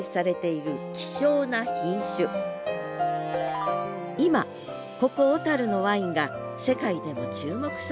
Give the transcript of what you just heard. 今ここ小のワインが世界でも注目されているんです